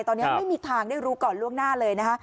ตอนนี้ไม่มีทางได้รู้ก่อนล่วงหน้าเลยนะคะ